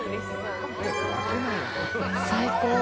最高。